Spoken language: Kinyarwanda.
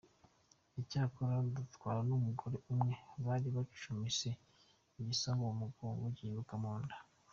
Cyakora dutwara n’umugore umwe bari bacumise igisongo mu mugongo gihinguka mu nda.